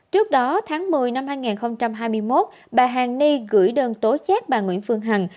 trước đó tháng một mươi năm hai nghìn hai mươi một bà hàn ni gửi đơn tố xét bà nguyễn phương hằng